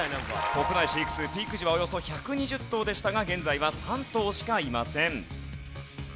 国内飼育数ピーク時はおよそ１２０頭でしたが現在は３頭しかいません。